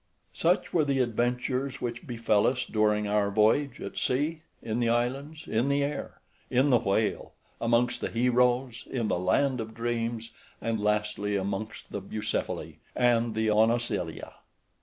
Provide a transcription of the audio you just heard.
Such were the adventures which befell us during our voyage, at sea, in the islands, in the air, in the whale, amongst the heroes, in the land of dreams, and lastly, amongst the Bucephali, and the Onoscileae.